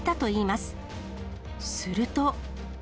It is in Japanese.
すると。